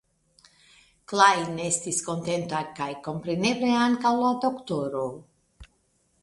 Klajn estis kontenta kaj kompreneble ankaŭ la doktoro.